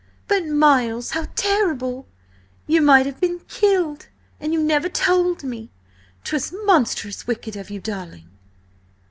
"But, Miles, how terrible! You might have been killed! And you never told me! 'Twas monstrous wicked of you, darling!"